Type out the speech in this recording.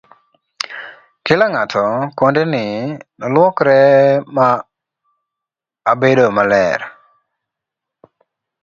kila ng'ato kondeni noluokre ma abedomaler